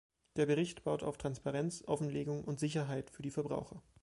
Der Bericht baut auf Transparenz, Offenlegung und Sicherheit für die Verbraucher.